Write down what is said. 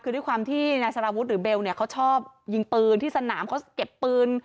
คือด้วยความที่นายสารวุฒิหรือเบลเนี่ยเขาชอบยิงปืนที่สนามเขาเก็บปืน